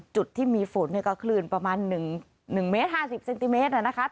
จุดที่มีฝนก็คลื่นประมาณ๑เมตร๕๐เซนติเมตรนะคะ